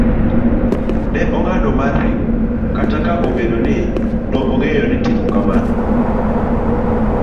C. ne ong'ado mar ringo kata obedo ni nong'eyo ni timo kamano